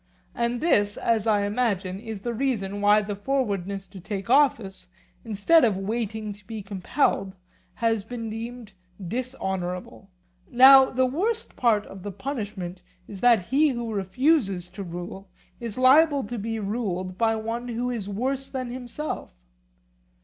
And this, as I imagine, is the reason why the forwardness to take office, instead of waiting to be compelled, has been deemed dishonourable. Now the worst part of the punishment is that he who refuses to rule is liable to be ruled by one who is worse than himself.